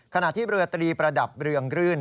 ขณะที่เรือตรีประดับเรืองรื่น